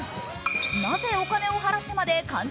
なぜお金を払ってまで寒中